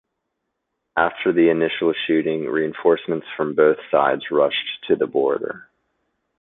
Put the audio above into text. After the initial shooting, reinforcements from both sides rushed to the border.